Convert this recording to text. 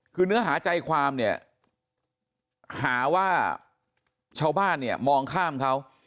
คือเนื้อหาใจความเนี่ยหาว่าชาวบ้านเนี่ยมองข้ามเขา